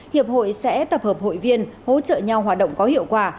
hiệp hội sẽ tập hợp hội viên hỗ trợ nhau hoạt động có hiệu quả